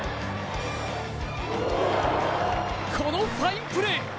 このファインプレー！